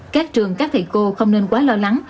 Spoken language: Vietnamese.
các trường các thầy cô không nên quá lo lắng